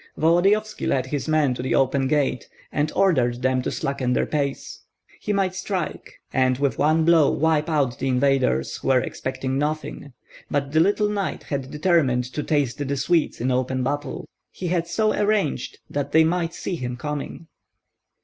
Volodyovski led his men to the open gate, and ordered them to slacken their pace. He might strike, and with one blow wipe out the invaders, who were expecting nothing; but the little knight had determined "to taste the Swedes" in open battle, he had so arranged that they might see him coming.